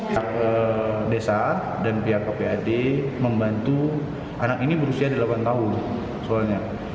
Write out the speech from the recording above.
pihak desa dan pihak kpad membantu anak ini berusia delapan tahun soalnya